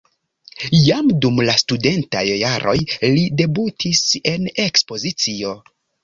Jam dum la studentaj jaroj li debutis en ekspozicio.